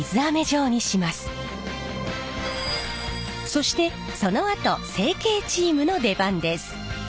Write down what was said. そしてそのあと成形チームの出番です。